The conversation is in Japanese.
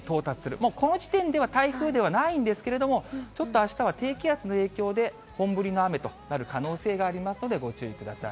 もうこの時点では台風ではないんですけれども、ちょっとあしたは低気圧の影響で、本降りの雨となる可能性がありますので、ご注意ください。